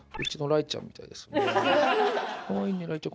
かわいいねらいちゃん。